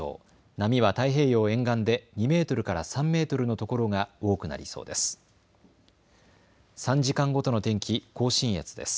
波は太平洋沿岸で２メートルから３メートルの所が多くなりそうです。